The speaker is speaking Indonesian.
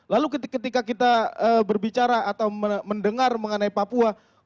lalu ketika kita berbicara atau mendengar mengenai papua